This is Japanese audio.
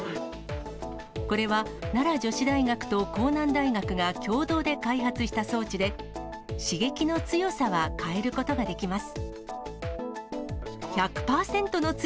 これは奈良女子大学と甲南大学が共同で開発した装置で、刺激の強さは変えることができます。